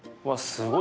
すごい。